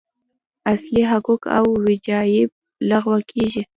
اصلي حقوق او وجایب لغوه کېږي.